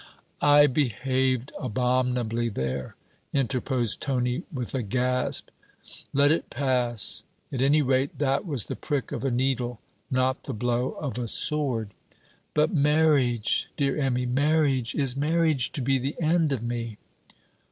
'I behaved abominably there!' interposed Tony, with a gasp. 'Let it pass. At any rate, that was the prick of a needle, not the blow of a sword.' 'But marriage, dear Emmy! marriage! Is marriage to be the end of me?'